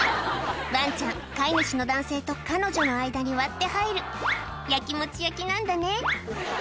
ワンちゃん飼い主の男性と彼女の間に割って入る焼きもち焼きなんだね